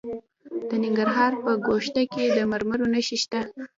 د ننګرهار په ګوشته کې د مرمرو نښې شته.